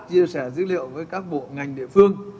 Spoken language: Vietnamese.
chia sẻ dữ liệu với các bộ ngành địa phương